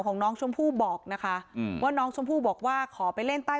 ของน้องชมพู่บอกนะคะอืมว่าน้องชมพู่บอกว่าขอไปเล่นใต้